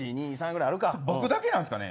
僕だけなんですかね